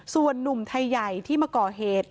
ส่วนนุ่มไทยใหญ่ที่มาก่อเหตุ